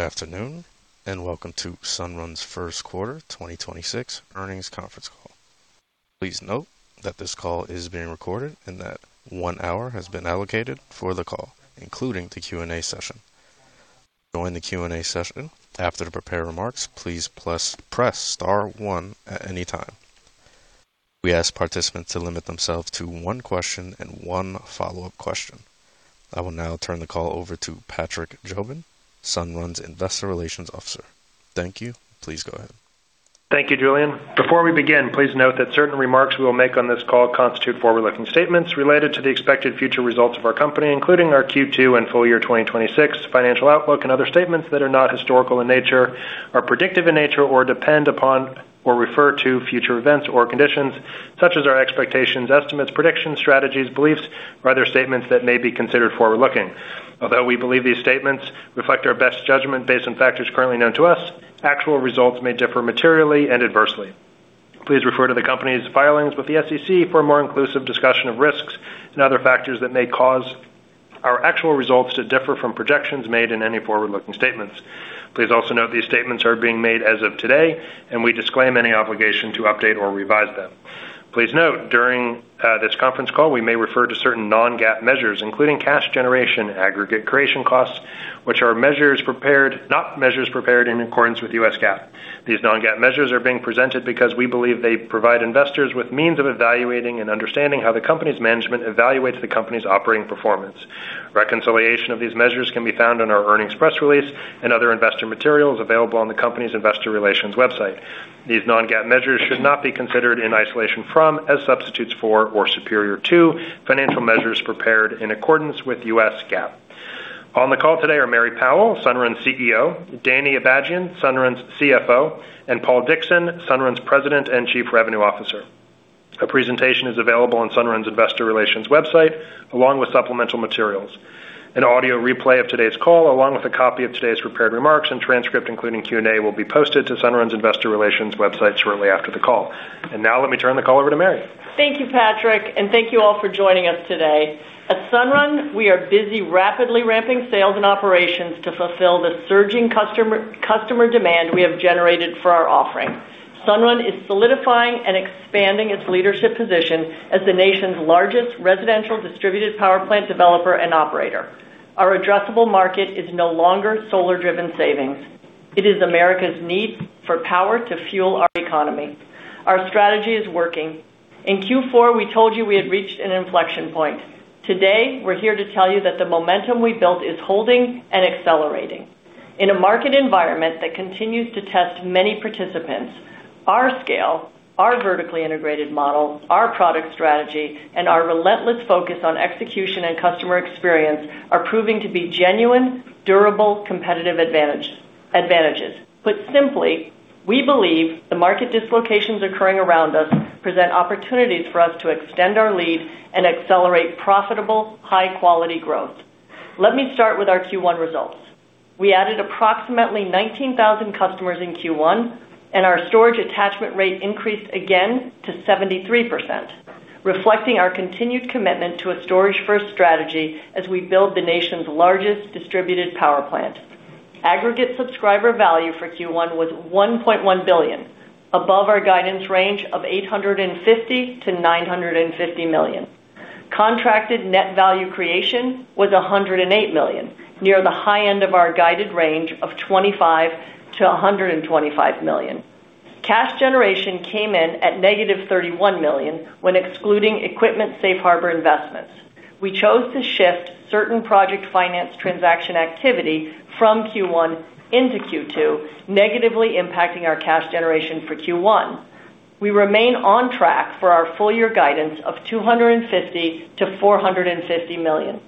Good afternoon, and welcome to Sunrun's first quarter 2026 earnings conference call. Please note that this call is being recorded and that 1 hour has been allocated for the call, including the Q&A session. To join the Q&A session after the prepared remarks, please press star one at any time. We ask participants to limit themselves to one question and one follow-up question. I will now turn the call over to Patrick Jobin, Sunrun's Investor Relations Officer. Thank you. Please go ahead. Thank you, Julian. Before we begin, please note that certain remarks we will make on this call constitute forward-looking statements related to the expected future results of our company, including our Q2 and full year 2026 financial outlook and other statements that are not historical in nature, are predictive in nature, or depend upon or refer to future events or conditions, such as our expectations, estimates, predictions, strategies, beliefs, or other statements that may be considered forward-looking. Although we believe these statements reflect our best judgment based on factors currently known to us, actual results may differ materially and adversely. Please refer to the company's filings with the SEC for a more inclusive discussion of risks and other factors that may cause our actual results to differ from projections made in any forward-looking statements. Please also note these statements are being made as of today, and we disclaim any obligation to update or revise them. Please note, during this conference call, we may refer to certain non-GAAP measures, including Cash Generation, Aggregate Creation Costs, which are not measures prepared in accordance with U.S. GAAP. These non-GAAP measures are being presented because we believe they provide investors with means of evaluating and understanding how the company's management evaluates the company's operating performance. Reconciliation of these measures can be found on our earnings press release and other investor materials available on the company's investor relations website. These non-GAAP measures should not be considered in isolation from, as substitutes for, or superior to financial measures prepared in accordance with U.S. GAAP. On the call today are Mary Powell, Sunrun's CEO, Danny Abajian, Sunrun's CFO, and Paul Dickson, Sunrun's President and Chief Revenue Officer. A presentation is available on Sunrun's investor relations website, along with supplemental materials. An audio replay of today's call, along with a copy of today's prepared remarks and transcript, including Q&A, will be posted to Sunrun's investor relations website shortly after the call. Now let me turn the call over to Mary. Thank you, Patrick, and thank you all for joining us today. At Sunrun, we are busy rapidly ramping sales and operations to fulfill the surging customer demand we have generated for our offering. Sunrun is solidifying and expanding its leadership position as the nation's largest residential distributed power plant developer and operator. Our addressable market is no longer solar-driven savings. It is America's need for power to fuel our economy. Our strategy is working. In Q4, we told you we had reached an inflection point. Today, we're here to tell you that the momentum we built is holding and accelerating. In a market environment that continues to test many participants, our scale, our vertically integrated model, our product strategy, and our relentless focus on execution and customer experience are proving to be genuine, durable, competitive advantages. Put simply, we believe the market dislocations occurring around us present opportunities for us to extend our lead and accelerate profitable, high-quality growth. Let me start with our Q1 results. We added approximately 19,000 customers in Q1, and our storage attachment rate increased again to 73%, reflecting our continued commitment to a storage-first strategy as we build the nation's largest distributed power plant. Aggregate Subscriber Value for Q1 was $1.1 billion, above our guidance range of $850 million-$950 million. Contracted Net Value Creation was $108 million, near the high end of our guided range of $25 million-$125 million. Cash Generation came in at negative $31 million when excluding equipment safe harbor investments. We chose to shift certain project finance transaction activity from Q1 into Q2, negatively impacting our Cash Generation for Q1. We remain on track for our full year guidance of $250 million-$450 million.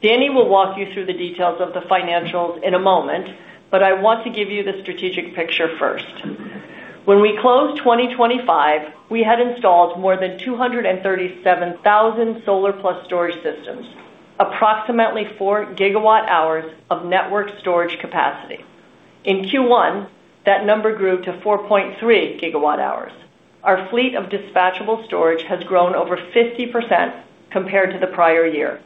Danny will walk you through the details of the financials in a moment, but I want to give you the strategic picture first. When we closed 2025, we had installed more than 237,000 solar plus storage systems, approximately 4 gigawatt-hours of network storage capacity. In Q1, that number grew to 4.3 gigawatt-hours. Our fleet of dispatchable storage has grown over 50% compared to the prior year.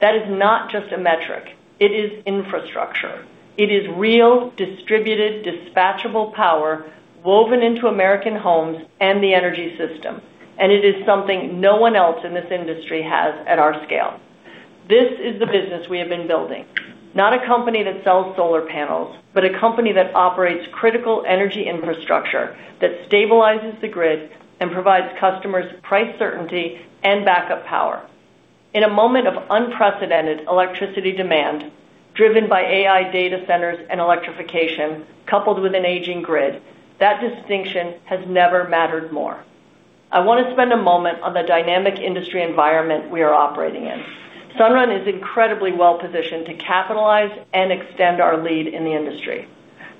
That is not just a metric. It is infrastructure. It is real, distributed, dispatchable power woven into American homes and the energy system, and it is something no one else in this industry has at our scale. This is the business we have been building. Not a company that sells solar panels, but a company that operates critical energy infrastructure that stabilizes the grid and provides customers price certainty and backup power. In a moment of unprecedented electricity demand, driven by AI data centers and electrification, coupled with an aging grid, that distinction has never mattered more. I want to spend a moment on the dynamic industry environment we are operating in. Sunrun is incredibly well positioned to capitalize and extend our lead in the industry.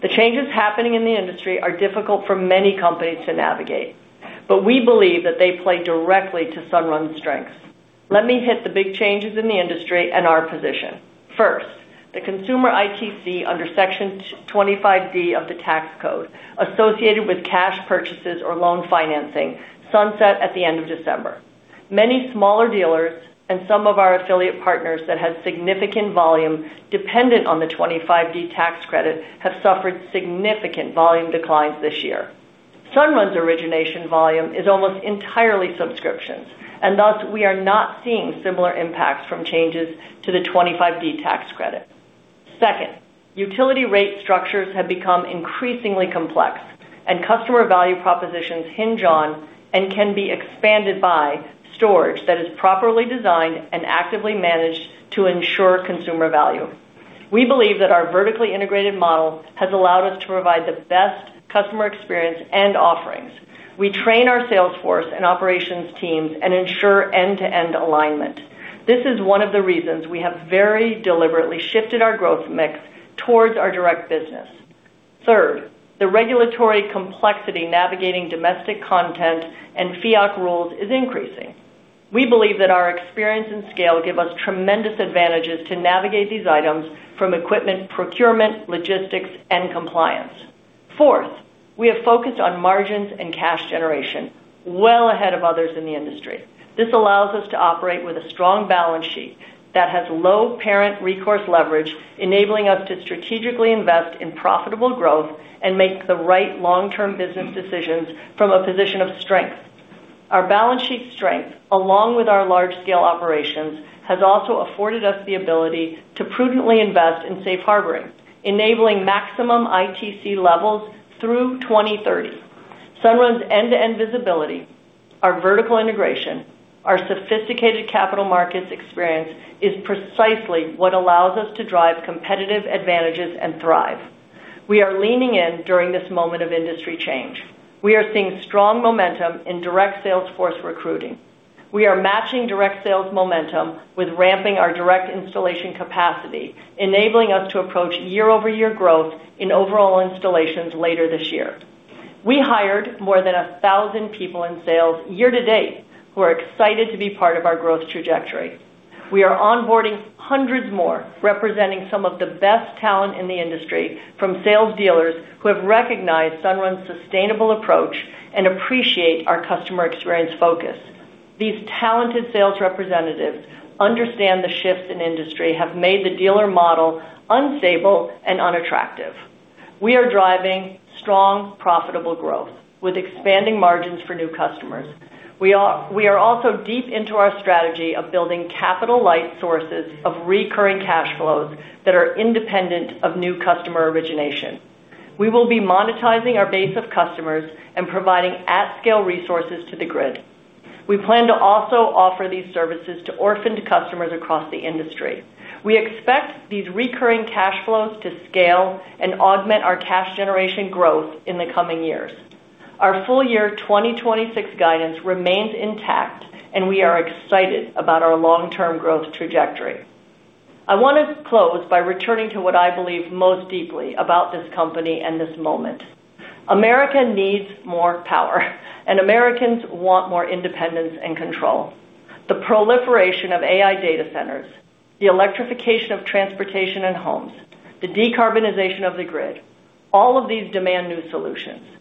The changes happening in the industry are difficult for many companies to navigate, but we believe that they play directly to Sunrun's strengths. Let me hit the big changes in the industry and our position. First, the consumer ITC under Section 25D of the tax code associated with cash purchases or loan financing sunset at the end of December. Many smaller dealers and some of our affiliate partners that had significant volume dependent on the 25D tax credit have suffered significant volume declines this year. Sunrun's origination volume is almost entirely subscriptions, and thus we are not seeing similar impacts from changes to the 25D tax credit. Second, utility rate structures have become increasingly complex, and customer value propositions hinge on and can be expanded by storage that is properly designed and actively managed to ensure consumer value. We believe that our vertically integrated model has allowed us to provide the best customer experience and offerings. We train our sales force and operations teams and ensure end-to-end alignment. This is one of the reasons we have very deliberately shifted our growth mix towards our direct business. Third, the regulatory complexity navigating domestic content and FIAC rules is increasing. We believe that our experience and scale give us tremendous advantages to navigate these items from equipment procurement, logistics, and compliance. Fourth, we have focused on margins and Cash Generation well ahead of others in the industry. This allows us to operate with a strong balance sheet that has low parent recourse leverage, enabling us to strategically invest in profitable growth and make the right long-term business decisions from a position of strength. Our balance sheet strength, along with our large-scale operations, has also afforded us the ability to prudently invest in safe harboring, enabling maximum ITC levels through 2030. Sunrun's end-to-end visibility, our vertical integration, our sophisticated capital markets experience is precisely what allows us to drive competitive advantages and thrive. We are leaning in during this moment of industry change. We are seeing strong momentum in direct sales force recruiting. We are matching direct sales momentum with ramping our direct installation capacity, enabling us to approach year-over-year growth in overall installations later this year. We hired more than 1,000 people in sales year to date who are excited to be part of our growth trajectory. We are onboarding hundreds more, representing some of the best talent in the industry from sales dealers who have recognized Sunrun's sustainable approach and appreciate our customer experience focus. These talented sales representatives understand the shifts in industry have made the dealer model unstable and unattractive. We are driving strong, profitable growth with expanding margins for new customers. We are also deep into our strategy of building capital-light sources of recurring cash flows that are independent of new customer origination. We will be monetizing our base of customers and providing at-scale resources to the grid. We plan to also offer these services to orphaned customers across the industry. We expect these recurring cash flows to scale and augment our cash generation growth in the coming years. Our full year 2026 guidance remains intact, and we are excited about our long-term growth trajectory. I want to close by returning to what I believe most deeply about this company and this moment. America needs more power, and Americans want more independence and control. The proliferation of AI data centers, the electrification of transportation and homes, the decarbonization of the grid, all of these demand new solutions.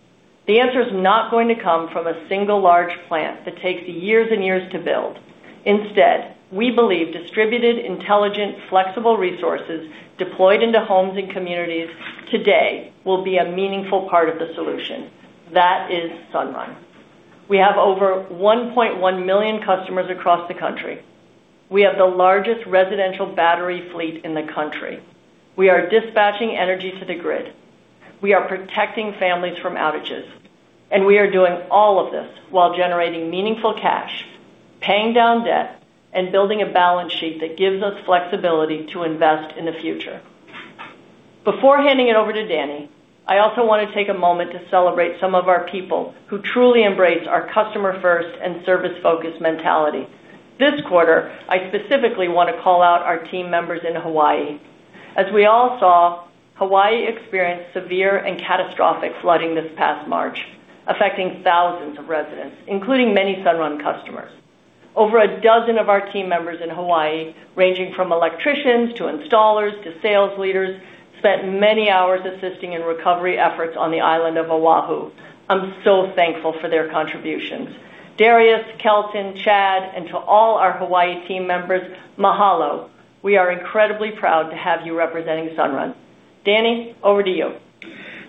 The answer is not going to come from a single large plant that takes years and years to build. Instead, we believe distributed, intelligent, flexible resources deployed into homes and communities today will be a meaningful part of the solution. That is Sunrun. We have over 1.1 million customers across the country. We have the largest residential battery fleet in the country. We are dispatching energy to the grid. We are protecting families from outages, and we are doing all of this while generating meaningful cash, paying down debt, and building a balance sheet that gives us flexibility to invest in the future. Before handing it over to Danny, I also want to take a moment to celebrate some of our people who truly embrace our customer first and service-focused mentality. This quarter, I specifically want to call out our team members in Hawaii. As we all saw, Hawaii experienced severe and catastrophic flooding this past March, affecting thousands of residents, including many Sunrun customers. Over a dozen of our team members in Hawaii, ranging from electricians to installers to sales leaders, spent many hours assisting in recovery efforts on the island of Oahu. I'm so thankful for their contributions. Darius, Kelton, Chad, and to all our Hawaii team members, mahalo. We are incredibly proud to have you representing Sunrun. Danny, over to you.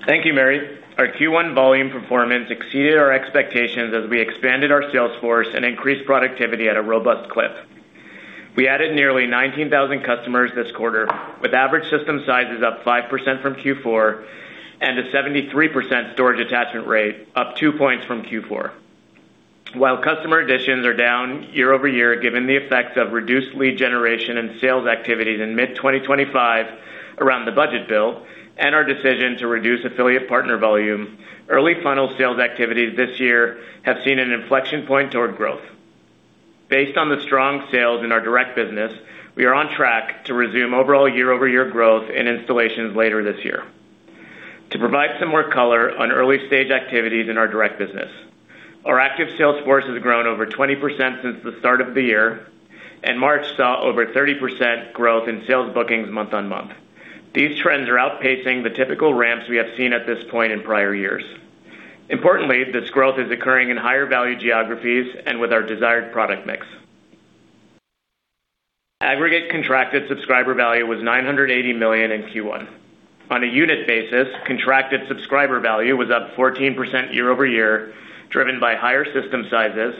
Thank you, Mary. Our Q1 volume performance exceeded our expectations as we expanded our sales force and increased productivity at a robust clip. We added nearly 19,000 customers this quarter, with average system sizes up 5% from Q4 and a 73% storage attachment rate, up 2 points from Q4. While customer additions are down year-over-year, given the effects of reduced lead generation and sales activities in mid-2025 around the budget bill and our decision to reduce affiliate partner volume, early funnel sales activities this year have seen an inflection point toward growth. Based on the strong sales in our direct business, we are on track to resume overall year-over-year growth in installations later this year. To provide some more color on early-stage activities in our direct business, our active sales force has grown over 20% since the start of the year, and March saw over 30% growth in sales bookings month-on-month. These trends are outpacing the typical ramps we have seen at this point in prior years. Importantly, this growth is occurring in higher value geographies and with our desired product mix. Aggregate Contracted Subscriber Value was $980 million in Q1. On a unit basis, Contracted Subscriber Value was up 14% year-over-year, driven by higher system sizes,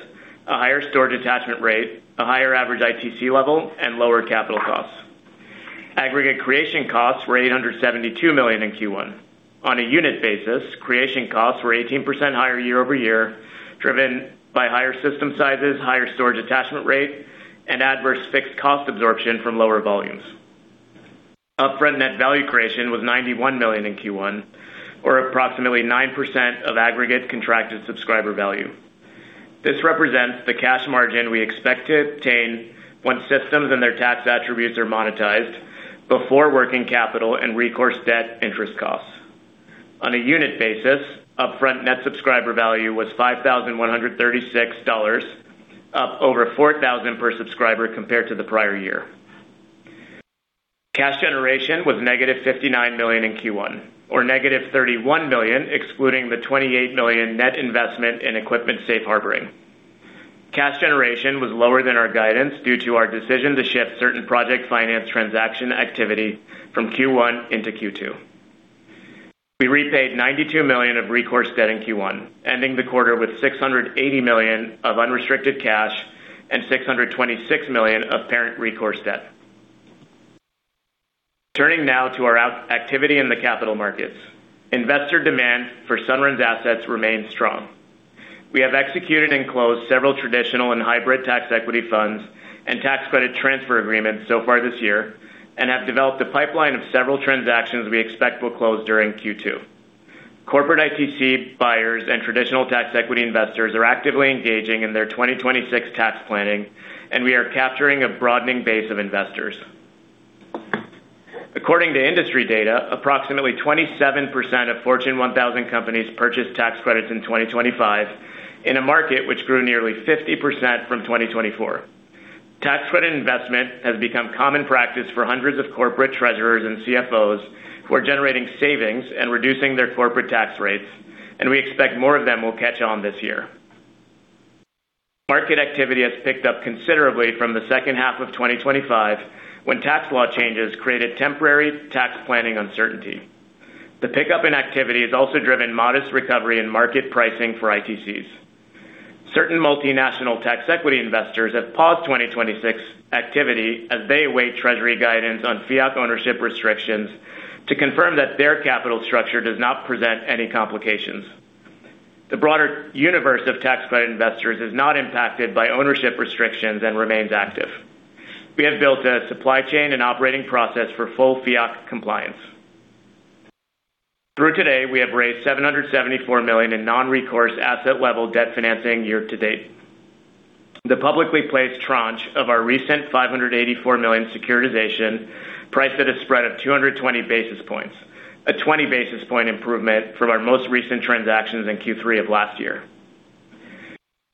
a higher storage attachment rate, a higher average ITC level, and lower capital costs. Aggregate Creation Costs were $872 million in Q1. On a unit basis, creation costs were 18% higher year-over-year, driven by higher system sizes, higher storage attachment rate, and adverse fixed cost absorption from lower volumes. Upfront Net Value Creation was $91 million in Q1, or approximately 9% of Aggregate Contracted Subscriber Value. This represents the cash margin we expect to obtain once systems and their tax attributes are monetized before working capital and recourse debt interest costs. On a unit basis, Upfront Net Subscriber Value was $5,136, up over $4,000 per subscriber compared to the prior year. Cash Generation was negative $59 million in Q1, or negative $31 million excluding the $28 million net investment in equipment safe harboring. Cash Generation was lower than our guidance due to our decision to shift certain project finance transaction activity from Q1 into Q2. We repaid $92 million of recourse debt in Q1, ending the quarter with $680 million of unrestricted cash and $626 million of parent recourse debt. Turning now to our activity in the capital markets. Investor demand for Sunrun's assets remains strong. We have executed and closed several traditional and hybrid tax equity funds and tax credit transfer agreements so far this year, and have developed a pipeline of several transactions we expect will close during Q2. Corporate ITC buyers and traditional tax equity investors are actively engaging in their 2026 tax planning, and we are capturing a broadening base of investors. According to industry data, approximately 27% of Fortune 1000 companies purchased tax credits in 2025 in a market which grew nearly 50% from 2024. Tax credit investment has become common practice for hundreds of corporate treasurers and CFOs who are generating savings and reducing their corporate tax rates, and we expect more of them will catch on this year. Market activity has picked up considerably from the second half of 2025, when tax law changes created temporary tax planning uncertainty. The pickup in activity has also driven modest recovery in market pricing for ITCs. Certain multinational tax equity investors have paused 2026 activity as they await treasury guidance on FIAC ownership restrictions to confirm that their capital structure does not present any complications. The broader universe of tax credit investors is not impacted by ownership restrictions and remains active. We have built a supply chain and operating process for full FIAC compliance. Through today, we have raised $774 million in non-recourse asset level debt financing year to date. The publicly placed tranche of our recent $584 million securitization priced at a spread of 220 basis points, a 20 basis point improvement from our most recent transactions in Q3 of last year.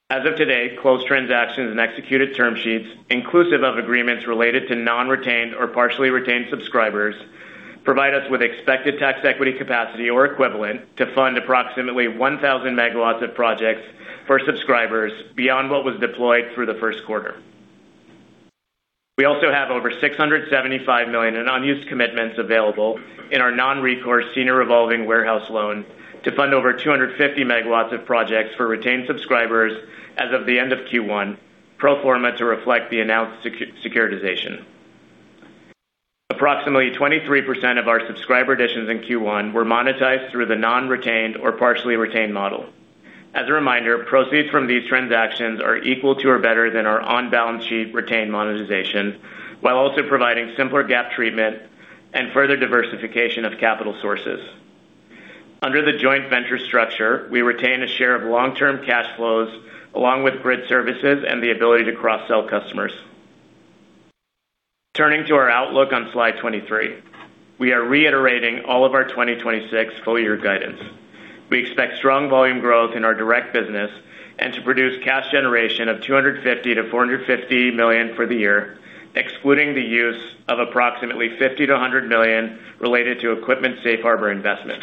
As of today, closed transactions and executed term sheets, inclusive of agreements related to non-retained or partially retained subscribers, provide us with expected tax equity capacity or equivalent to fund approximately 1,000 megawatts of projects for subscribers beyond what was deployed through the first quarter. We also have over $675 million in unused commitments available in our non-recourse senior revolving warehouse loan to fund over 250 megawatts of projects for retained subscribers as of the end of Q1, pro forma to reflect the announced securitization. Approximately 23% of our subscriber additions in Q1 were monetized through the non-retained or partially retained model. As a reminder, proceeds from these transactions are equal to or better than our on-balance sheet retained monetization, while also providing simpler GAAP treatment and further diversification of capital sources. Under the joint venture structure, we retain a share of long-term cash flows along with grid services and the ability to cross-sell customers. Turning to our outlook on slide 23. We are reiterating all of our 2026 full year guidance. We expect strong volume growth in our direct business and to produce Cash Generation of $250 million-$450 million for the year, excluding the use of approximately $50 million-$100 million related to equipment safe harbor investment.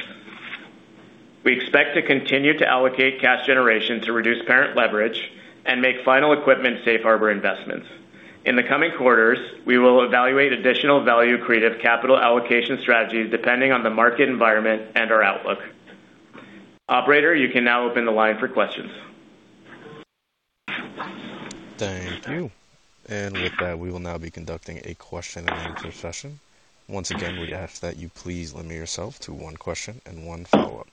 We expect to continue to allocate Cash Generation to reduce parent leverage and make final equipment safe harbor investments. In the coming quarters, we will evaluate additional value creative capital allocation strategies depending on the market environment and our outlook. Operator, you can now open the line for questions. Thank you. With that, we will now be conducting a question and answer session. Once again, we ask that you please limit yourself to one question and one follow-up.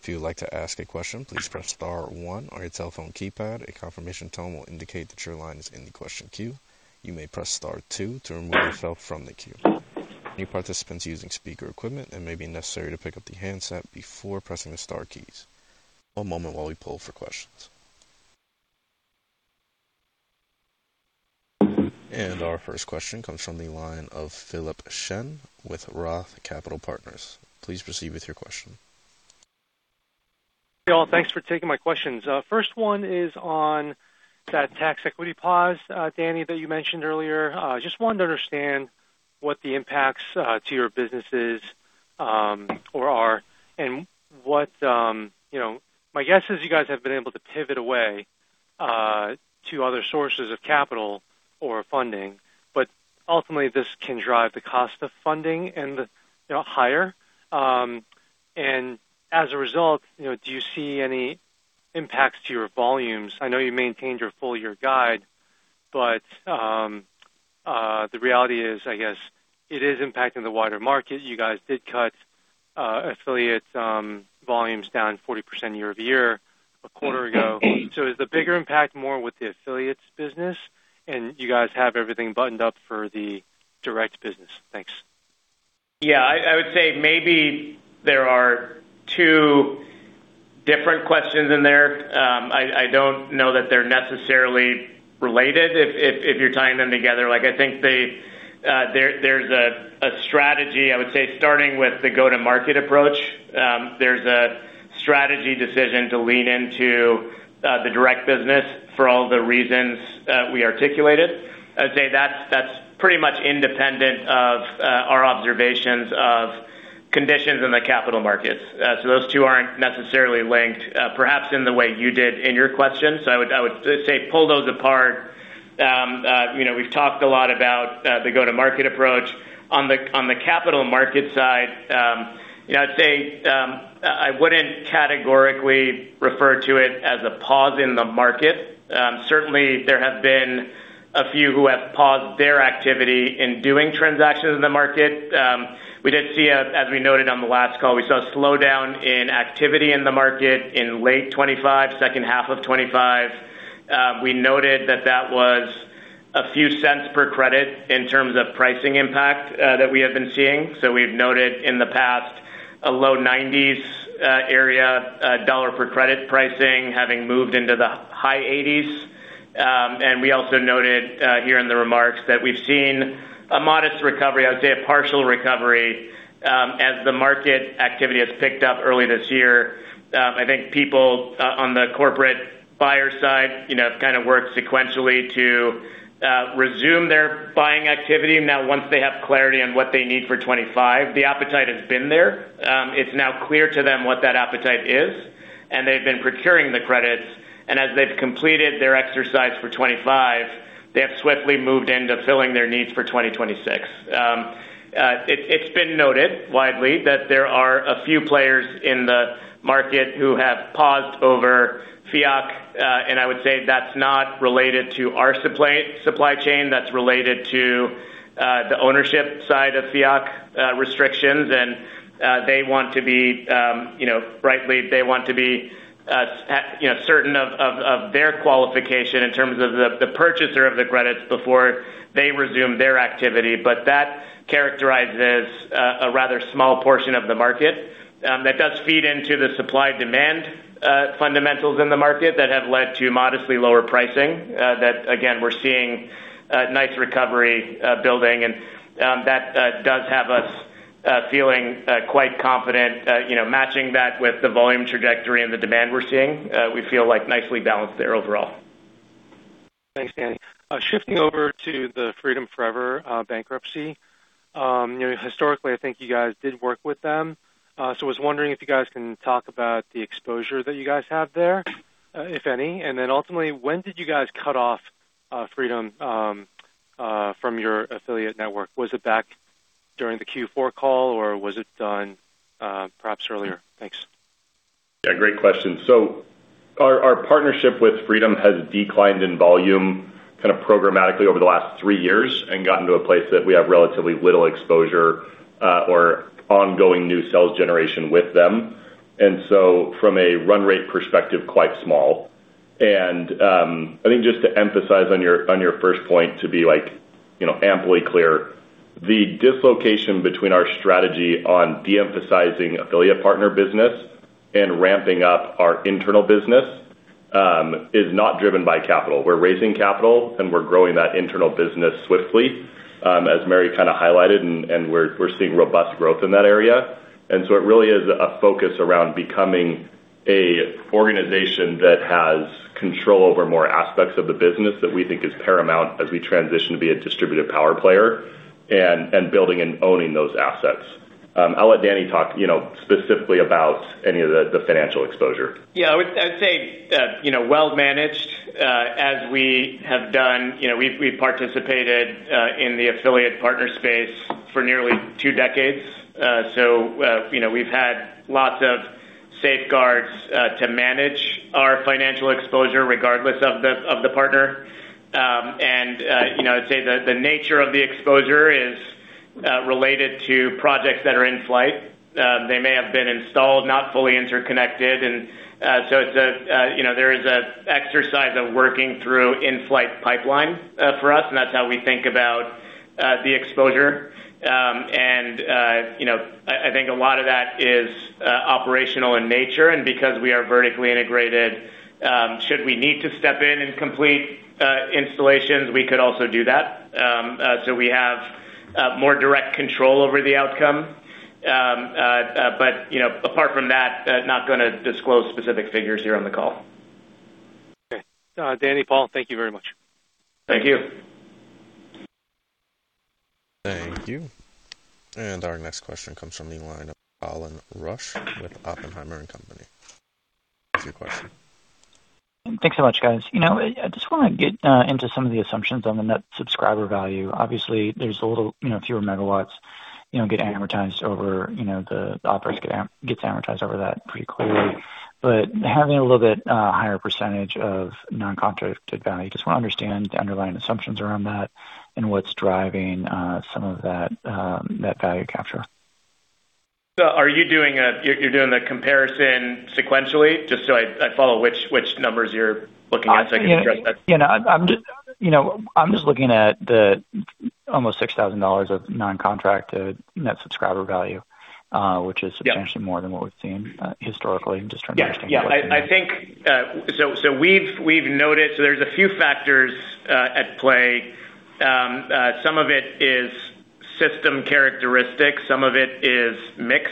If you would like to ask a question, please press star one on your telephone keypad. A confirmation tone will indicate that your line is in the question queue. You may press star two to remove yourself from the queue. Any participants using speaker equipment, it may be necessary to pick up the handset before pressing the star keys. One moment while we poll for questions. Our first question comes from the line of Philip Shen with ROTH Capital Partners. Please proceed with your question. Hey, all. Thanks for taking my questions. First one is on that tax equity pause, Danny, that you mentioned earlier. Just wanted to understand what the impacts to your business is or are and what, you know, my guess is you guys have been able to pivot away to other sources of capital or funding, but ultimately, this can drive the cost of funding and, you know, higher. As a result, you know, do you see any impacts to your volumes? I know you maintained your full-year guide, but the reality is, I guess, it is impacting the wider market. You guys did cut affiliate volumes down 40% year-over-year a quarter ago. Is the bigger impact more with the affiliates business and you guys have everything buttoned up for the direct business? Thanks. I would say maybe there are two different questions in there. I don't know that they're necessarily related if, if you're tying them together. Like, I think they, there's a strategy, I would say, starting with the go-to-market approach. There's a strategy decision to lean into the direct business for all the reasons we articulated. I'd say that's pretty much independent of our observations of conditions in the capital markets. Those two aren't necessarily linked perhaps in the way you did in your question. I would, I would say pull those apart. You know, we've talked a lot about the go-to-market approach. On the, on the capital market side, you know, I'd say, I wouldn't categorically refer to it as a pause in the market. Certainly there have been a few who have paused their activity in doing transactions in the market. As we noted on the last call, we saw a slowdown in activity in the market in late 2025, second half of 2025. We noted that that was a few cents per credit in terms of pricing impact that we have been seeing. We've noted in the past a low $90s area dollar per credit pricing having moved into the high $80s. We also noted here in the remarks that we've seen a modest recovery, I would say a partial recovery, as the market activity has picked up early this year. I think people, on the corporate buyer side, you know, have worked sequentially to resume their buying activity now once they have clarity on what they need for 2025. The appetite has been there. It's now clear to them what that appetite is, and they've been procuring the credits. As they've completed their exercise for 2025, they have swiftly moved into filling their needs for 2026. It's been noted widely that there are a few players in the market who have paused over FIAC, and I would say that's not related to our supply chain. That's related to the ownership side of FIAC restrictions. They want to be, rightly, they want to be, certain of their qualification in terms of the purchaser of the credits before they resume their activity. That characterizes a rather small portion of the market that does feed into the supply-demand fundamentals in the market that have led to modestly lower pricing that again, we're seeing a nice recovery building. That does have us feeling quite confident. Matching that with the volume trajectory and the demand we're seeing, we feel like nicely balanced there overall. Thanks, Danny. Shifting over to the Freedom Forever bankruptcy. You know, historically, I think you guys did work with them. I was wondering if you guys can talk about the exposure that you guys have there, if any. Ultimately, when did you guys cut off Freedom from your affiliate network? Was it back during the Q4 call, or was it done perhaps earlier? Thanks. Yeah, great question. Our partnership with Freedom has declined in volume kind of programmatically over the last three years and gotten to a place that we have relatively little exposure, or ongoing new sales generation with them, and from a run rate perspective, quite small. I think just to emphasize on your first point to be, you know, amply clear, the dislocation between our strategy on de-emphasizing affiliate partner business and ramping up our internal business is not driven by capital. We're raising capital, and we're growing that internal business swiftly, as Mary kind of highlighted, and we're seeing robust growth in that area. It really is a focus around becoming a organization that has control over more aspects of the business that we think is paramount as we transition to be a distributed power player and building and owning those assets. I'll let Danny talk, you know, specifically about any of the financial exposure. Yeah, I'd say, you know, well managed, as we have done. You know, we've participated in the affiliate partner space for nearly two decades. You know, we've had lots of safeguards to manage our financial exposure regardless of the partner. You know, I'd say the nature of the exposure is related to projects that are in flight. They may have been installed, not fully interconnected. It's a, you know, there is a exercise of working through in-flight pipeline for us, and that's how we think about the exposure. You know, I think a lot of that is operational in nature. Because we are vertically integrated, should we need to step in and complete installations, we could also do that. We have more direct control over the outcome. You know, apart from that, not gonna disclose specific figures here on the call. Okay. Danny, Paul, thank you very much. Thank you. Thank you. Our next question comes from the line of Colin Rusch with Oppenheimer & Company. What's your question? Thanks so much, guys. You know, I just wanna get into some of the assumptions on the Net Subscriber Value. Obviously, there's a little, you know, fewer megawatts, you know, get amortized over, you know, the operates gets amortized over that pretty clearly. Having a little bit higher percentage of non-contracted value, just wanna understand the underlying assumptions around that and what's driving some of that net value capture. Are you doing you're doing the comparison sequentially? Just so I follow which numbers you're looking at, so I can address that. Yeah, you know, I'm just, you know, I'm just looking at the almost $6,000 of non-contracted net subscriber value. Yeah substantially more than what we've seen, historically. I think we've noted there's a few factors at play. Some of it is system characteristics, some of it is mix.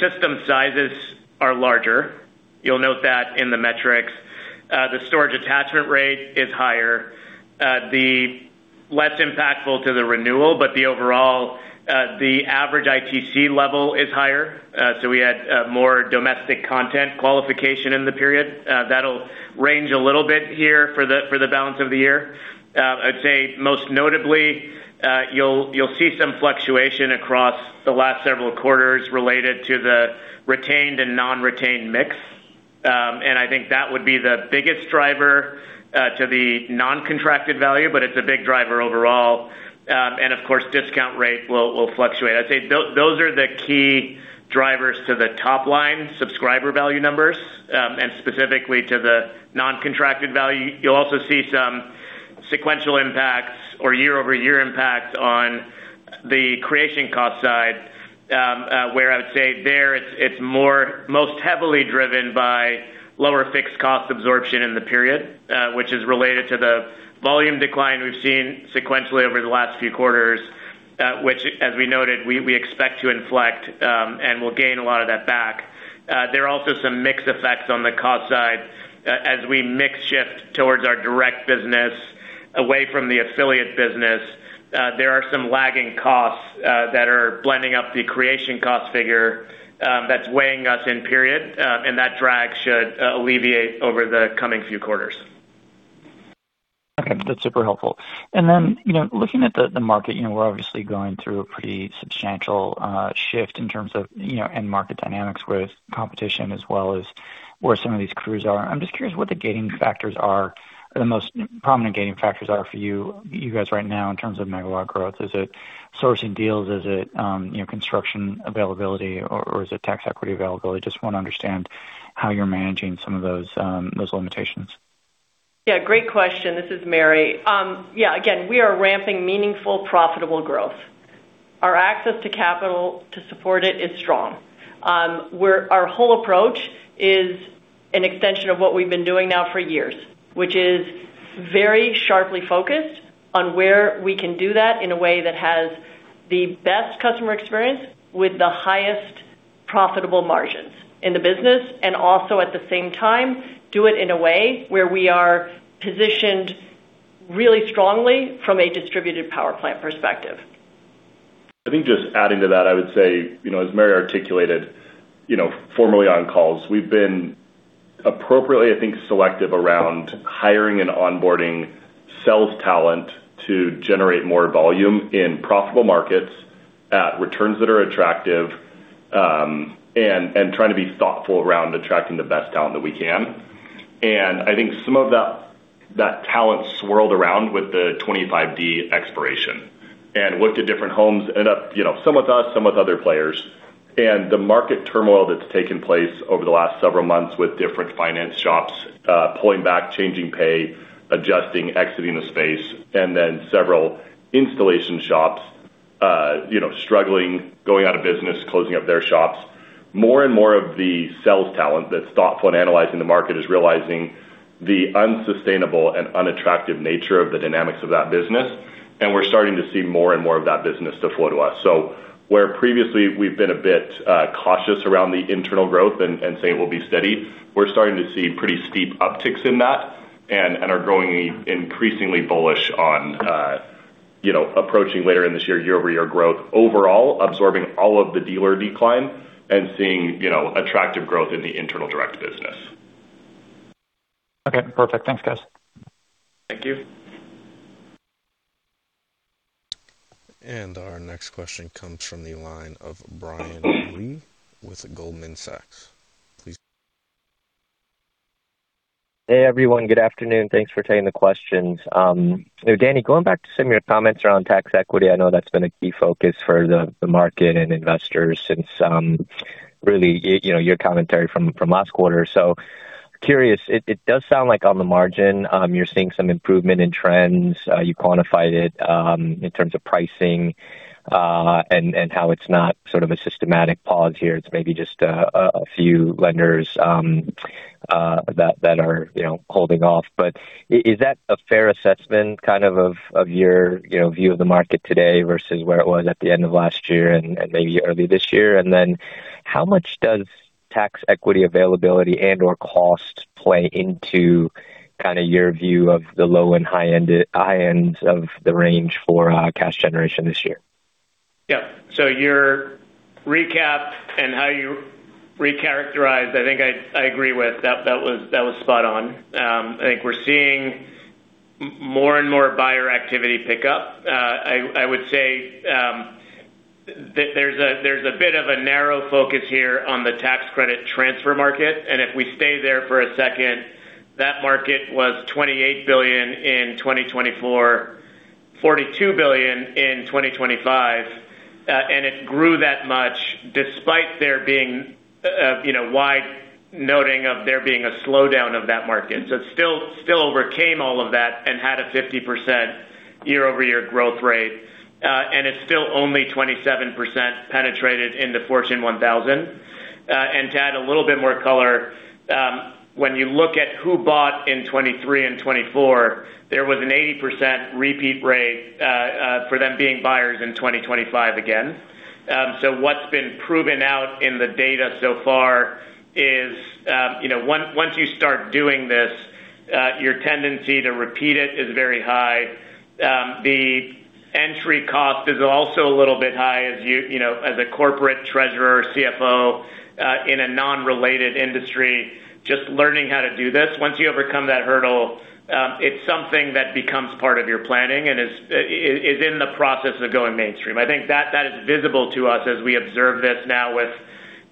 System sizes are larger. You'll note that in the metrics. The storage attachment rate is higher. The less impactful to the renewal, but the overall, the average ITC level is higher. We had more domestic content qualification in the period. That'll range a little bit here for the balance of the year. I'd say most notably, you'll see some fluctuation across the last several quarters related to the retained and non-retained mix. I think that would be the biggest driver to the non-contracted value, but it's a big driver overall. Of course, discount rate will fluctuate. I'd say those are the key drivers to the top line subscriber value numbers, and specifically to the non-contracted value. You'll also see some sequential impacts or year-over-year impact on the creation cost side, where I would say there it's more most heavily driven by lower fixed cost absorption in the period, which is related to the volume decline we've seen sequentially over the last few quarters, which as we noted, we expect to inflect, and we'll gain a lot of that back. There are also some mix effects on the cost side. As we mix shift towards our direct business away from the affiliate business, there are some lagging costs that are blending up the creation cost figure, that's weighing us in, period. That drag should alleviate over the coming few quarters. Okay. That's super helpful. You know, looking at the market, you know, we're obviously going through a pretty substantial shift in terms of, you know, end market dynamics with competition as well as where some of these crews are. I'm just curious what the gating factors are or the most prominent gating factors are for you guys right now in terms of megawatt growth. Is it sourcing deals? Is it, you know, construction availability or is it tax equity availability? Just wanna understand how you're managing some of those limitations. Yeah, great question. This is Mary. Yeah, again, we are ramping meaningful, profitable growth. Our access to capital to support it is strong. Our whole approach is an extension of what we've been doing now for years, which is very sharply focused on where we can do that in a way that has the best customer experience with the highest profitable margins in the business, and also at the same time, do it in a way where we are positioned really strongly from a distributed power plant perspective. I think just adding to that, I would say, you know, as Mary Powell articulated, you know, formerly on calls, we've been appropriately, I think, selective around hiring and onboarding sales talent to generate more volume in profitable markets at returns that are attractive, and trying to be thoughtful around attracting the best talent that we can. I think some of that talent swirled around with the 25D expiration and looked at different homes, ended up, you know, some with us, some with other players. The market turmoil that's taken place over the last several months with different finance shops, pulling back, changing pay, adjusting, exiting the space, and then several installation shops, you know, struggling, going out of business, closing up their shops. More and more of the sales talent that's thoughtful in analyzing the market is realizing the unsustainable and unattractive nature of the dynamics of that business, and we're starting to see more and more of that business flow to us. Where previously we've been a bit cautious around the internal growth and saying it will be steady, we're starting to see pretty steep upticks in that and are growing increasingly bullish on, you know, approaching later in this year year-over-year growth overall, absorbing all of the dealer decline and seeing, you know, attractive growth in the internal direct business. Okay, perfect. Thanks, guys. Thank you. Our next question comes from the line of Brian Lee with Goldman Sachs. Hey, everyone. Good afternoon. Thanks for taking the questions. Danny, going back to some of your comments around tax equity, I know that's been a key focus for the market and investors since, really, you know, your commentary from last quarter. Curious, it does sound like on the margin, you're seeing some improvement in trends. You quantified it in terms of pricing. And how it's not sort of a systematic pause here. It's maybe just a few lenders that are, you know, holding off. Is that a fair assessment kind of your, you know, view of the market today versus where it was at the end of last year and maybe early this year? How much does tax equity availability and/or cost play into kind of your view of the low and high ends of the range for Cash Generation this year? Your recap and how you recharacterized, I think I agree with. That was spot on. I think we're seeing more and more buyer activity pick up. I would say there's a bit of a narrow focus here on the tax credit transfer market. If we stay there for a second, that market was $28 billion in 2024, $42 billion in 2025. It grew that much despite there being, you know, wide noting of there being a slowdown of that market. It still overcame all of that and had a 50% year-over-year growth rate. It's still only 27% penetrated in the Fortune 1000. To add a little bit more color, when you look at who bought in 2023 and 2024, there was an 80% repeat rate for them being buyers in 2025 again. What's been proven out in the data so far is, you know, once you start doing this, your tendency to repeat it is very high. The entry cost is also a little bit high as, you know, as a corporate treasurer or CFO, in a non-related industry, just learning how to do this. Once you overcome that hurdle, it's something that becomes part of your planning and is in the process of going mainstream. I think that is visible to us as we observe this now with,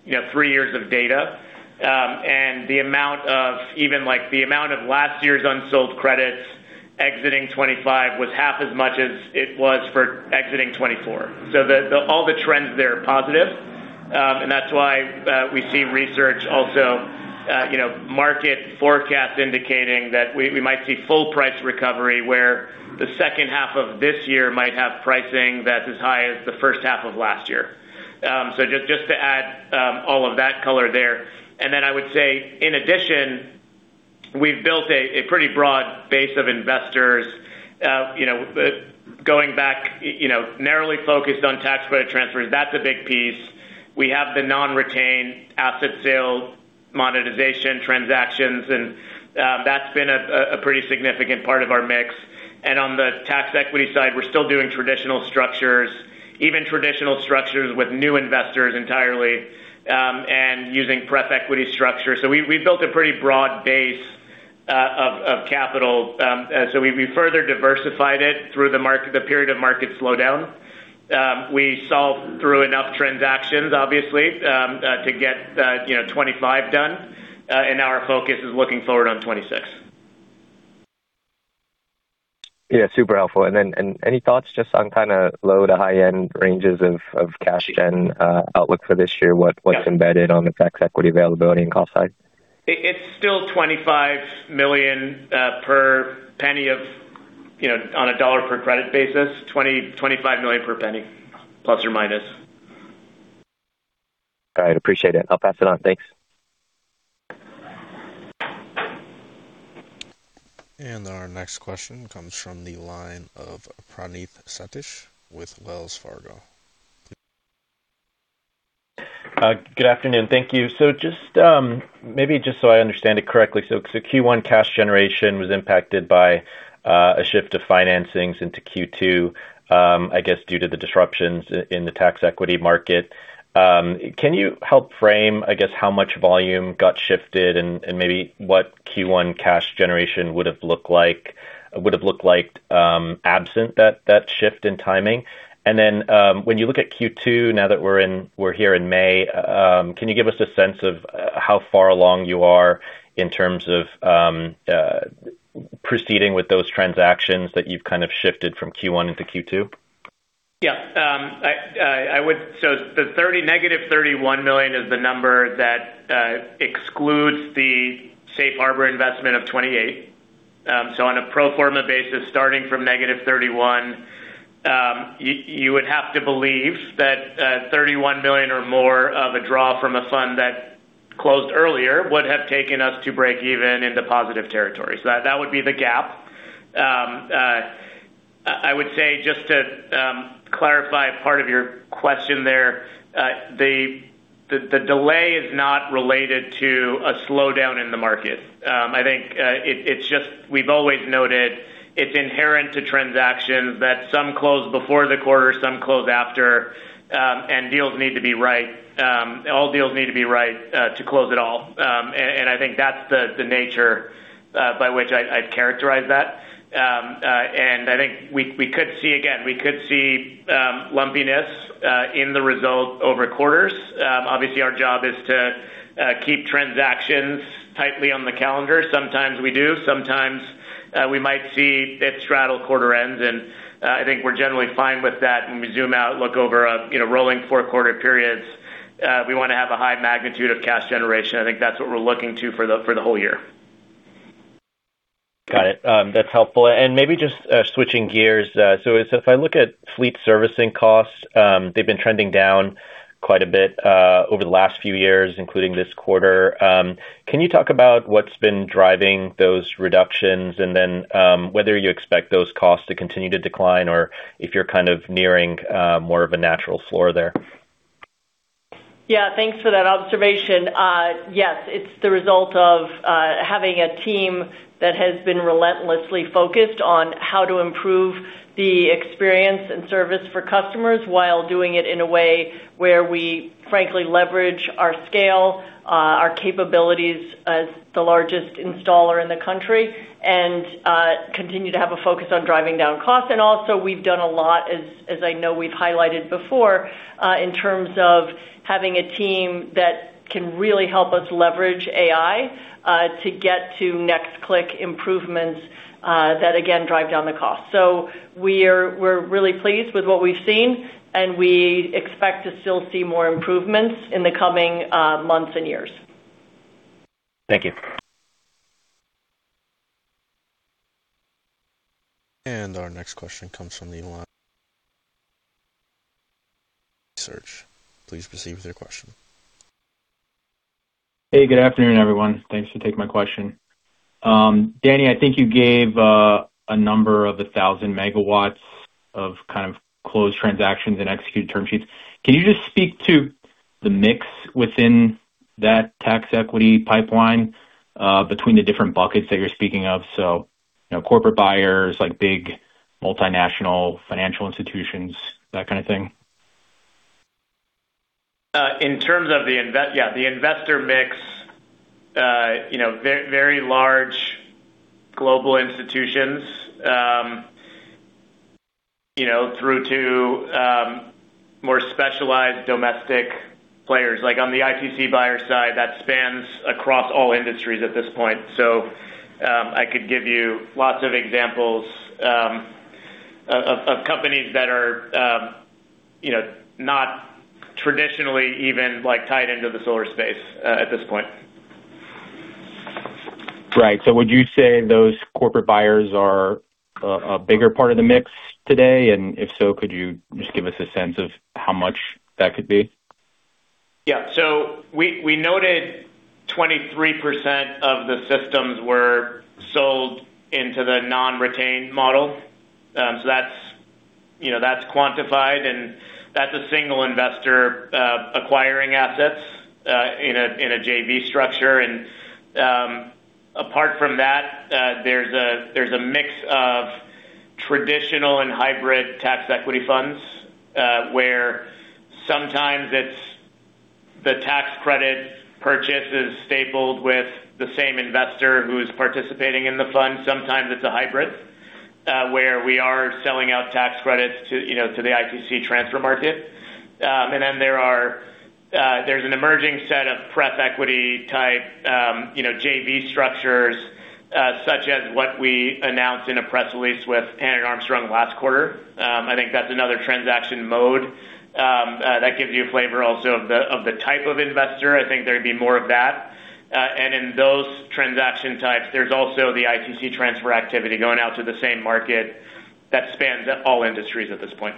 you know, 3 years of data. The amount of last year's unsold credits exiting 2025 was half as much as it was for exiting 2024. All the trends there are positive. That's why we see research also, you know, market forecast indicating that we might see full price recovery, where the second half of this year might have pricing that's as high as the first half of last year. Just to add all of that color there. I would say in addition, we've built a pretty broad base of investors. You know, going back, you know, narrowly focused on tax credit transfers, that's a big piece. We have the non-retained asset sale monetization transactions, and that's been a pretty significant part of our mix. On the tax equity side, we're still doing traditional structures, even traditional structures with new investors entirely, and using preferred equity structure. We've built a pretty broad base of capital. We further diversified it through the period of market slowdown. We solved through enough transactions obviously, you know, to get 25 done, and our focus is looking forward on 26. Yeah, super helpful. Any thoughts just on kinda low to high-end ranges of cash gen outlook for this year? What's embedded on the tax equity availability and cost side? It's still $25 million per $0.01 of, you know, on a dollar per credit basis, $25 million per $0.01 ±. All right. Appreciate it. I'll pass it on. Thanks. Our next question comes from the line of Praneeth Satish with Wells Fargo. Good afternoon. Thank you. Just, maybe just so I understand it correctly. Because the Q1 Cash Generation was impacted by a shift of financings into Q2, I guess, due to the disruptions in the tax equity market. Can you help frame, I guess, how much volume got shifted and, maybe what Q1 Cash Generation would've looked like absent that shift in timing? When you look at Q2, now that we're here in May, can you give us a sense of how far along you are in terms of proceeding with those transactions that you've kind of shifted from Q1 into Q2? Yeah. I would say the negative $31 million is the number that excludes the Safe Harbor investment of 28. On a pro forma basis, starting from negative 31, you would have to believe that $31 million or more of a draw from a fund that closed earlier would have taken us to break even into positive territory. That would be the gap. I would say, just to clarify part of your question there, the delay is not related to a slowdown in the market. I think we've always noted it's inherent to transactions that some close before the quarter, some close after, and deals need to be right. All deals need to be right to close at all. I think that's the nature by which I'd characterize that. I think we could see again, we could see lumpiness in the result over quarters. Obviously, our job is to keep transactions tightly on the calendar. Sometimes we do. Sometimes we might see it straddle quarter ends, I think we're generally fine with that. When we zoom out, look over, you know, rolling four-quarter periods, we wanna have a high magnitude of Cash Generation. I think that's what we're looking to for the whole year. Got it. That's helpful. Maybe just switching gears. If I look at fleet servicing costs, they've been trending down quite a bit over the last few years, including this quarter. Can you talk about what's been driving those reductions and then whether you expect those costs to continue to decline or if you're kind of nearing more of a natural floor there? Yeah. Thanks for that observation. Yes, it's the result of having a team that has been relentlessly focused on how to improve the experience and service for customers while doing it in a way where we frankly leverage our scale, our capabilities as the largest installer in the country and continue to have a focus on driving down costs. Also we've done a lot, as I know we've highlighted before, in terms of having a team that can really help us leverage AI to get to next click improvements that again, drive down the cost. We're really pleased with what we've seen, and we expect to still see more improvements in the coming months and years. Thank you. Our next question comes from the line Search. Please proceed with your question. Hey, good afternoon, everyone. Thanks for taking my question. Danny, I think you gave a number of 1,000 megawatts of kind of closed transactions and executed term sheets. Can you just speak to the mix within that tax equity pipeline between the different buckets that you're speaking of? You know, corporate buyers, like big multinational financial institutions, that kind of thing. In terms of the investor mix, you know, very large global institutions, you know, through to more specialized domestic players. On the ITC buyer side, that spans across all industries at this point. I could give you lots of examples of companies that are, you know, not traditionally even, like, tied into the solar space at this point. Right. Would you say those corporate buyers are a bigger part of the mix today? If so, could you just give us a sense of how much that could be? We noted 23% of the systems were sold into the non-retained model. That's, you know, that's quantified, and that's a single investor acquiring assets in a JV structure. Apart from that, there's a mix of traditional and hybrid tax equity funds where sometimes it's the tax credit purchase is stapled with the same investor who's participating in the fund. Sometimes it's a hybrid where we are selling out tax credits to, you know, to the ITC transfer market. There's an emerging set of pref equity type, you know, JV structures, such as what we announced in a press release with Hannon Armstrong last quarter. I think that's another transaction mode, that gives you a flavor also of the type of investor. I think there'd be more of that. In those transaction types, there's also the ITC transfer activity going out to the same market that spans all industries at this point.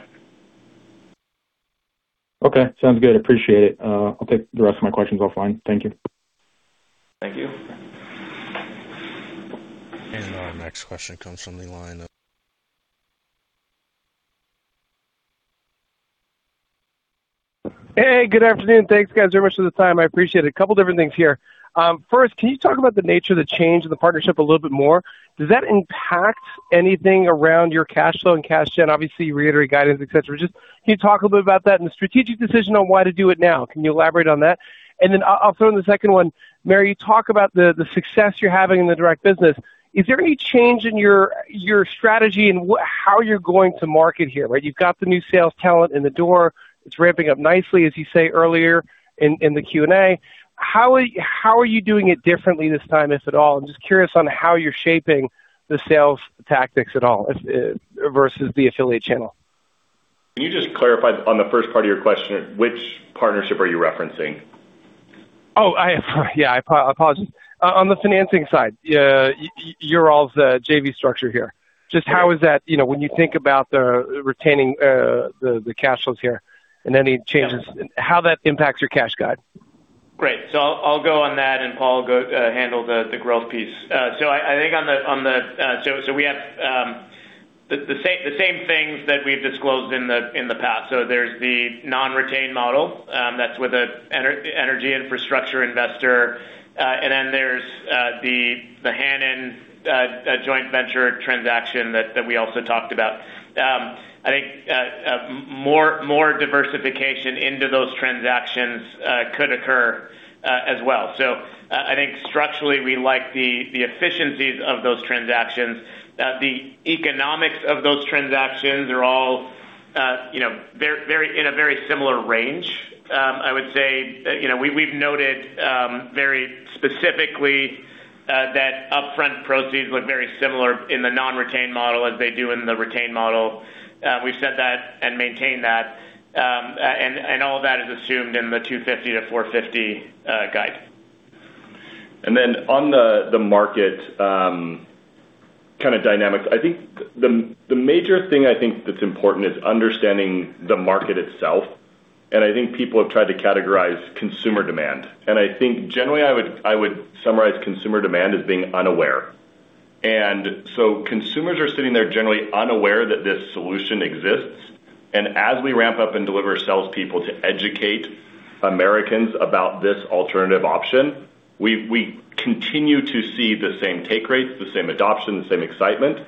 Okay. Sounds good. Appreciate it. I'll take the rest of my questions offline. Thank you. Thank you. Our next question comes from the line of. Good afternoon. Thanks, guys, very much for the time. I appreciate it. First, can you talk about the nature of the change in the partnership a little bit more? Does that impact anything around your cash flow and cash gen? Obviously, you reiterate guidance, et cetera. Just, can you talk a little bit about that and the strategic decision on why to do it now? Can you elaborate on that? Then I'll throw in the second one. Mary, you talk about the success you're having in the direct business. Is there any change in your strategy and how you're going to market here, right? You've got the new sales talent in the door. It's ramping up nicely, as you say earlier in the Q&A. How are you doing it differently this time, if at all? I'm just curious on how you're shaping the sales tactics at all as versus the affiliate channel. Can you just clarify on the first part of your question, which partnership are you referencing? I apologize. On the financing side, your all's JV structure here. Just how is that, you know, when you think about the retaining the cash flows here and any changes, how that impacts your cash guide? Great. I'll go on that and Paul go handle the growth piece. I think on the, we have the same things that we've disclosed in the past. There's the non-retained model that's with the energy infrastructure investor. There's the Hannon joint venture transaction that we also talked about. I think more diversification into those transactions could occur as well. I think structurally, we like the efficiencies of those transactions. The economics of those transactions are all, you know, in a very similar range. I would say, you know, we've noted, very specifically, that upfront proceeds look very similar in the non-retained model as they do in the retained model. We've said that and maintained that. All of that is assumed in the $250-$450 guide. Then on the market, kind of dynamics, I think the major thing I think that's important is understanding the market itself. I think people have tried to categorize consumer demand. I think generally I would summarize consumer demand as being unaware. Consumers are sitting there generally unaware that this solution exists. As we ramp up and deliver salespeople to educate Americans about this alternative option, we continue to see the same take rates, the same adoption, the same excitement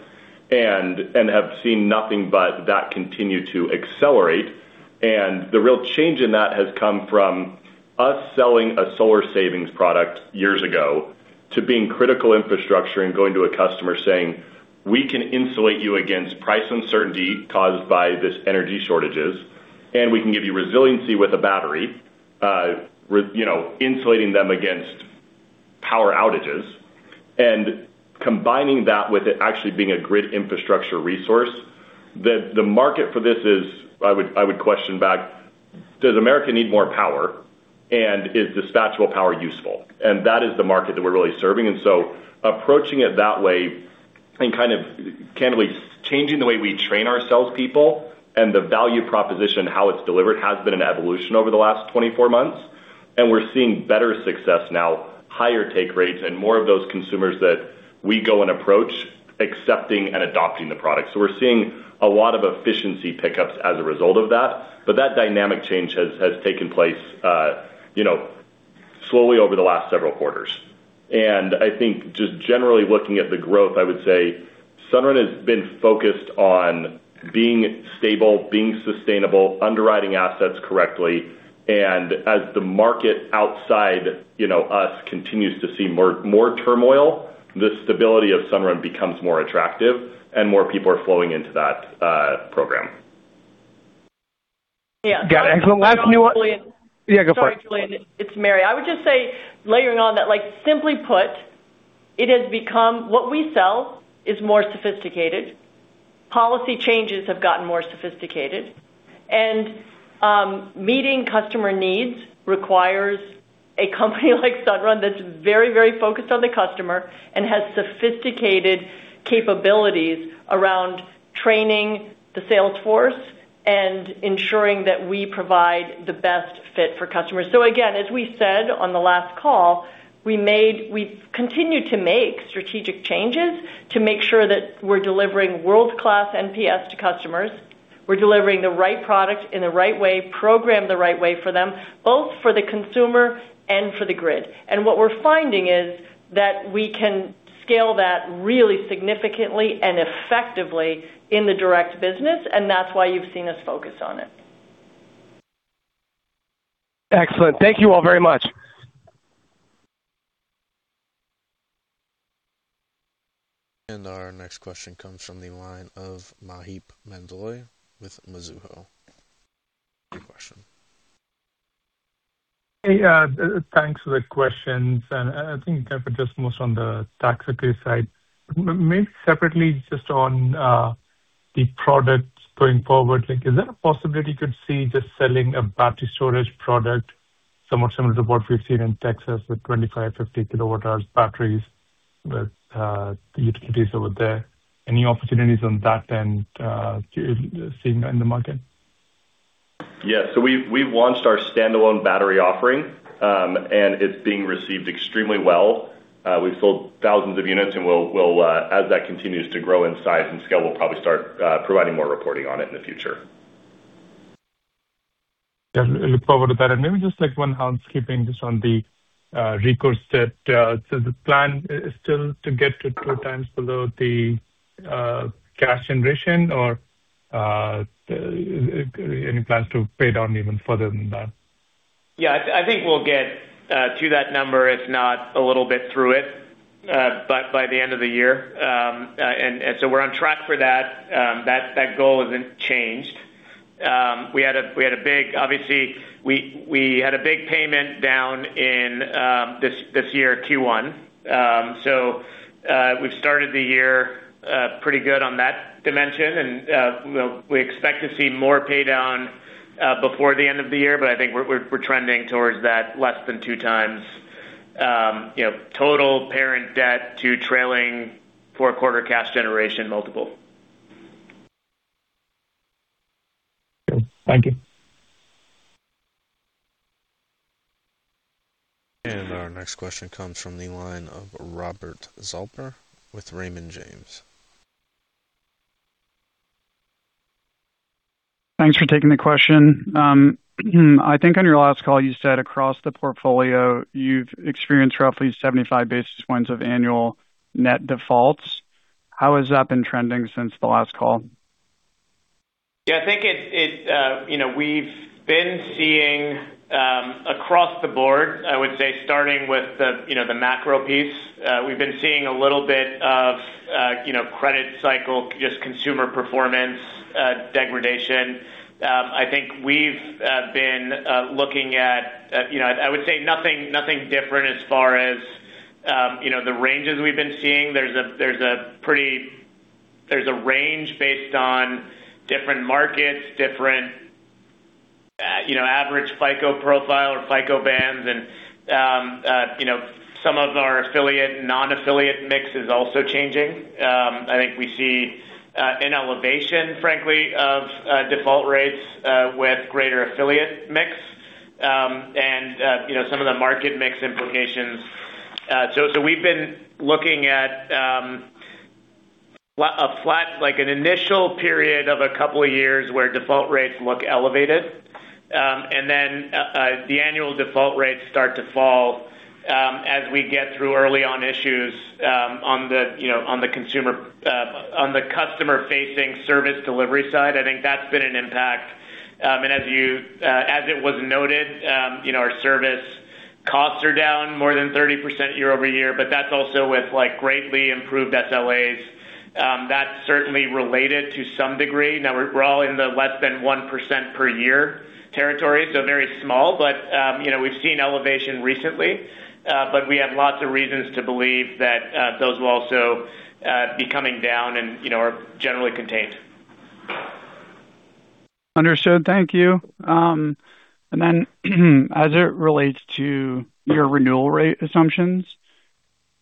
and have seen nothing but that continue to accelerate. The real change in that has come from us selling a solar savings product years ago to being critical infrastructure and going to a customer saying, "We can insulate you against price uncertainty caused by this energy shortages, and we can give you resiliency with a battery," you know, insulating them against power outages and combining that with it actually being a grid infrastructure resource. The market for this is I would question back, does America need more power? Is dispatchable power useful? That is the market that we're really serving. Approaching it that way and kind of candidly changing the way we train our salespeople and the value proposition, how it's delivered, has been an evolution over the last 24 months. We're seeing better success now, higher take rates, and more of those consumers that we go and approach accepting and adopting the product. We're seeing a lot of efficiency pickups as a result of that. That dynamic change has taken place, you know, slowly over the last several quarters. I think just generally looking at the growth, I would say Sunrun has been focused on being stable, being sustainable, underwriting assets correctly. As the market outside, you know, us continues to see more turmoil, the stability of Sunrun becomes more attractive and more people are flowing into that program. Yeah. Got it. Excellent. Last new one. Sorry, Julian. Yeah, go for it. Sorry, Julian. It's Mary. I would just say layering on that, like simply put, it has become what we sell is more sophisticated. Policy changes have gotten more sophisticated. Meeting customer needs requires a company like Sunrun that's very, very focused on the customer and has sophisticated capabilities around training the sales force and ensuring that we provide the best fit for customers. Again, as we said on the last call, we've continued to make strategic changes to make sure that we're delivering world-class NPS to customers. We're delivering the right product in the right way, programmed the right way for them, both for the consumer and for the grid. What we're finding is that we can scale that really significantly and effectively in the direct business, and that's why you've seen us focus on it. Excellent. Thank you all very much. Our next question comes from the line of Maheep Mandloi with Mizuho. Your question. Hey, thanks for the questions, and I think kind of just most on the tax equity side. Maybe separately, just on the products going forward, like is there a possibility you could see just selling a battery storage product, somewhat similar to what we've seen in Texas with 25, 50 kWh batteries with the utilities over there? Any opportunities on that and seeing that in the market? We've launched our standalone battery offering, and it's being received extremely well. We've sold thousands of units, and we'll as that continues to grow in size and scale, we'll probably start providing more reporting on it in the future. Yeah. Look forward to that. Maybe just like one housekeeping just on the recourse debt. The plan is still to get to 2 times below the Cash Generation or any plans to pay down even further than that? Yeah. I think we'll get to that number, if not a little bit through it, but by the end of the year. We're on track for that. That goal hasn't changed. We had a big payment down in this year, Q1. We've started the year pretty good on that dimension and, you know, we expect to see more pay down before the end of the year. I think we're trending towards that less than 2x, you know, total parent debt to trailing four quarter Cash Generation multiple. Okay. Thank you. Our next question comes from the line of Pavel Molchanov with Raymond James. Thanks for taking the question. I think on your last call you said across the portfolio you've experienced roughly 75 basis points of annual net defaults. How has that been trending since the last call? Yeah, I think it's, it, you know, we've been seeing, across the board, I would say starting with the, you know, the macro piece, we've been seeing a little bit of, you know, credit cycle, just consumer performance, degradation. I think we've been looking at, you know, I would say nothing different as far as, you know, the ranges we've been seeing. There's a range based on different markets, different, you know, average FICO profile or FICO bands. You know, some of our affiliate and non-affiliate mix is also changing. I think we see an elevation, frankly, of default rates, with greater affiliate mix, and, you know, some of the market mix implications. So, we've been looking at a flat, like an initial period of a couple of years where default rates look elevated. The annual default rates start to fall as we get through early on issues on the, you know, on the customer-facing service delivery side. I think that's been an impact. As it was noted, you know, our service costs are down more than 30% year-over-year, but that's also with, like, greatly improved SLAs. That's certainly related to some degree. Now we're all in the less than 1% per year territory, so very small. You know, we've seen elevation recently. We have lots of reasons to believe that, those will also, be coming down and, you know, are generally contained. Understood. Thank you. As it relates to your renewal rate assumptions,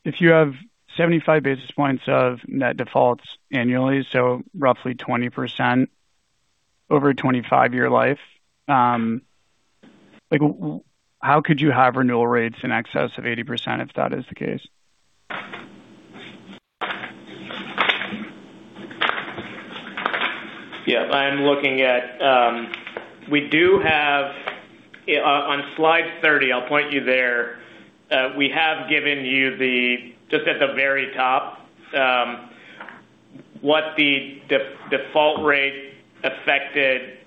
if you have 75 basis points of net defaults annually, so roughly 20% over a 25-year life, how could you have renewal rates in excess of 80% if that is the case? I'm looking at. We do have, on slide 30, I'll point you there. We have given you the, just at the very top, what the default rate affected.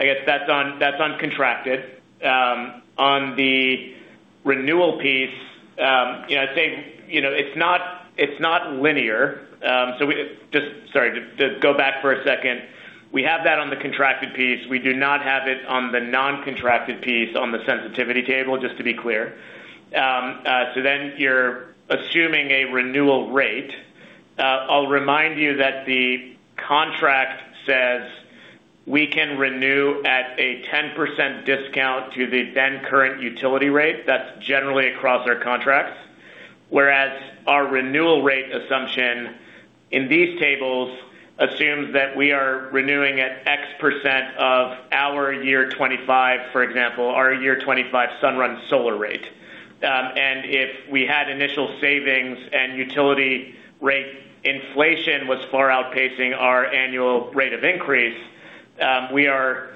I guess that's on, that's on contracted. On the renewal piece, you know, I'd say, you know, it's not, it's not linear. Just, sorry, to go back for a second. We have that on the contracted piece. We do not have it on the non-contracted piece on the sensitivity table, just to be clear. You're assuming a renewal rate. I'll remind you that the contract says we can renew at a 10% discount to the then current utility rate. That's generally across our contracts. Whereas our renewal rate assumption in these tables assumes that we are renewing at X% of our year 25, for example, our year 25 Sunrun solar rate. If we had initial savings and utility rate inflation was far outpacing our annual rate of increase, we are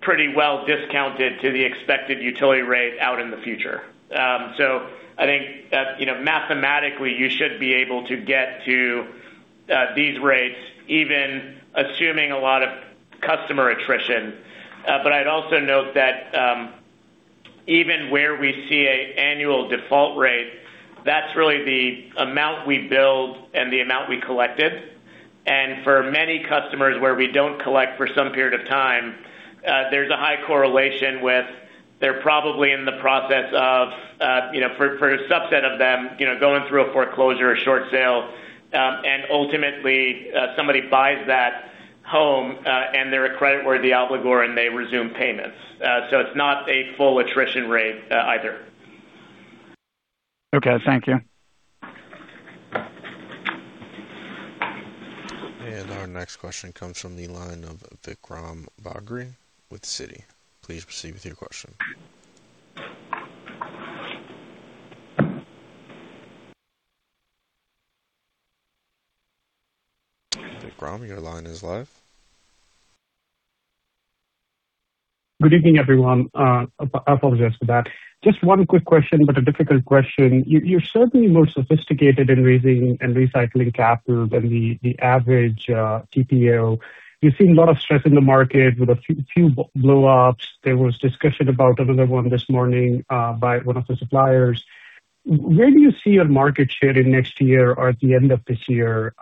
pretty well discounted to the expected utility rate out in the future. I think, you know, mathematically, you should be able to get to these rates even assuming a lot of customer attrition. I'd also note that, even where we see an annual default rate, that's really the amount we billed and the amount we collected. For many customers, where we don't collect for some period of time, there's a high correlation with they're probably in the process of, you know, for a subset of them, you know, going through a foreclosure or short sale, and ultimately, somebody buys that home, and they're a creditworthy obligor, and they resume payments. It's not a full attrition rate either. Okay, thank you. Our next question comes from the line of Vikram Bagri with Citi. Please proceed with your question. Vikram, your line is live. Good evening, everyone. Apologize for that. Just one quick question, but a difficult question. You're certainly more sophisticated in raising and recycling capital than the average TPO. You've seen a lot of stress in the market with a few blowups. There was discussion about another one this morning by one of the suppliers. Where do you see your market share in next year or at the end of this year?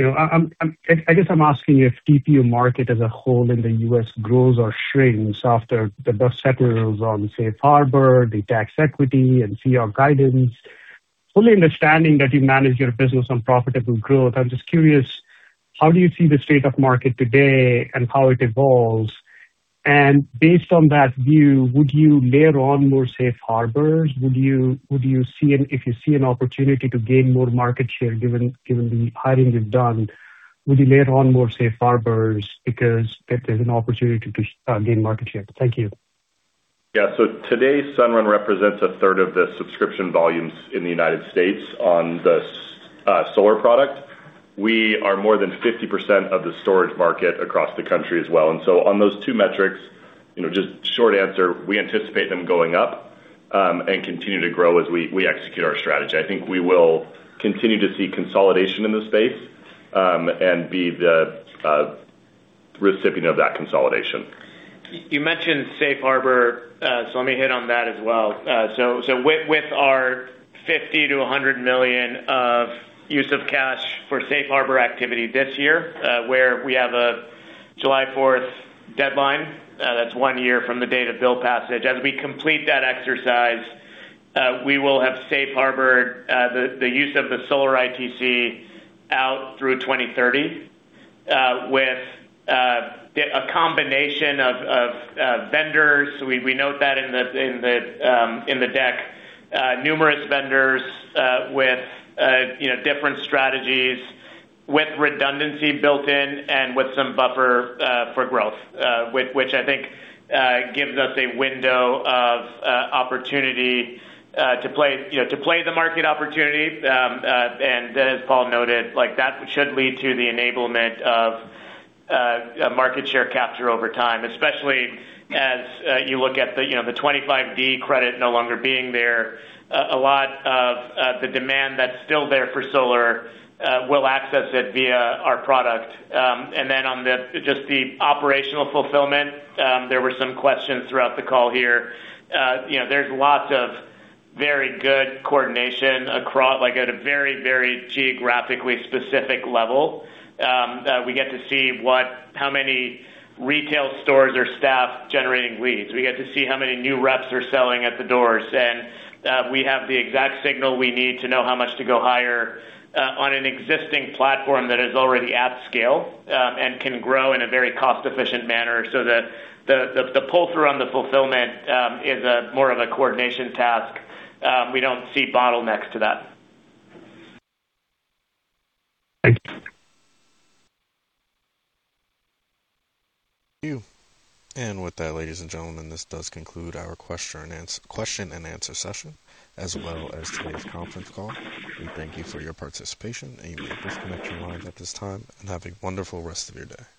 You know, I guess I'm asking you if TPO market as a whole in the U.S. grows or shrinks after the dust settles on safe harbor, the tax equity, and CEO guidance. Fully understanding that you manage your business on profitable growth, I'm just curious, how do you see the state of market today and how it evolves? Based on that view, would you layer on more safe harbors? If you see an opportunity to gain more market share given the hiring you've done, would you layer on more safe harbors because that there's an opportunity to gain market share? Thank you. Yeah. Today, Sunrun represents a third of the subscription volumes in the U.S. on the solar product. We are more than 50% of the storage market across the country as well. On those two metrics, you know, just short answer, we anticipate them going up and continue to grow as we execute our strategy. I think we will continue to see consolidation in this space and be the recipient of that consolidation. You mentioned safe harbor, let me hit on that as well. With our $50 million to $100 million Use of cash for safe harbor activity this year, where we have a July Fourth deadline, that's one year from the date of bill passage. As we complete that exercise, we will have safe harbored the use of the solar ITC out through 2030 with a combination of vendors. We note that in the deck. Numerous vendors, with, you know, different strategies, with redundancy built in and with some buffer for growth. Which I think gives us a window of opportunity to play, you know, to play the market opportunity. Then as Paul noted, like that should lead to the enablement of a market share capture over time, especially as you look at the, you know, the 25D credit no longer being there. A lot of the demand that's still there for solar will access it via our product. On the, just the operational fulfillment, there were some questions throughout the call here. You know, there's lots of very good coordination across like at a very, very geographically specific level, that we get to see how many retail stores or staff generating leads. We have the exact signal we need to know how much to go higher on an existing platform that is already at scale, and can grow in a very cost-efficient manner. The, the pulse around the fulfillment is a more of a coordination task. We don't see bottlenecks to that. Thank you. With that, ladies and gentlemen, this does conclude our question and answer session, as well as today's conference call. We thank you for your participation, and you may disconnect your lines at this time, and have a wonderful rest of your day.